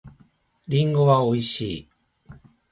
りんごは美味しい。